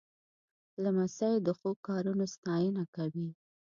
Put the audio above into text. لمسی د ښو کارونو ستاینه کوي.